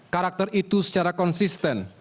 karakter itu secara konsisten